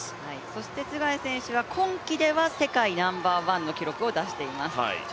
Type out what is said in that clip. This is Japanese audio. そしてツェガイ選手は今季世界ナンバーワンの記録を出しています。